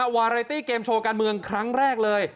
วาไรตี้เกมโชว์การเมืองครั้งแรกเลย